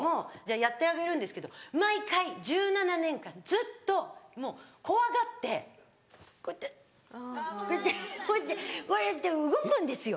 やってあげるんですけど毎回１７年間ずっともう怖がってこうやってこうやってこうやってこうやって動くんですよ。